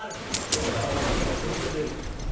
「そっからお化けがひょいと出る」。